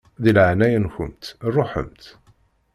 Di leɛnaya-nkent ṛuḥemt!